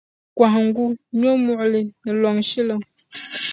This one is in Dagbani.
Kɔhiŋgu, nyɔmuɣili ni lɔŋshiliŋ.